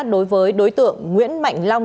đối với đối tượng nguyễn mạnh lăng